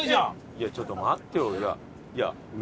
いやちょっと待ってよ。